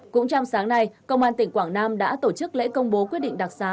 cũng trong sáng nay công an tỉnh quảng nam đã tổ chức lễ công bố quyết định đặc xá